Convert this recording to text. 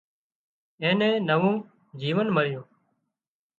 اين نين نوون جيونَ مۯيُون